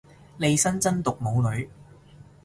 利申真毒冇女